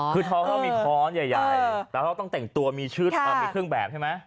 เขามีได้คลอนใหญ่แล้วต้องแต่งตัวมีชึดมีเครื่องแบบใช่ไหม